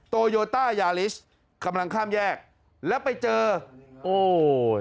โตโยต้ายาลิสกำลังข้ามแยกแล้วไปเจอโอ้ย